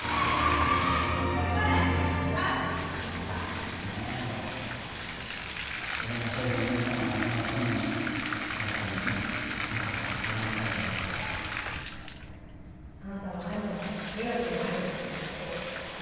ダメっすね俺俺のせいでお兄さんが亡くなったのに俺はいつも隆子さんに励まされてばっかであなたは兄が命を懸けて救った人よ